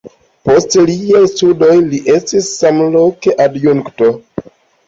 Post siaj studoj li estis samloke adjunkto.